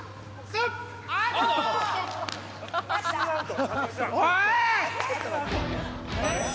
ツーアウト。